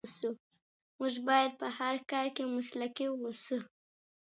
موږ باید په هر کار کې مسلکي واوسو.